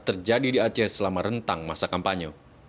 terjadi di aceh selama rentang masa kampanye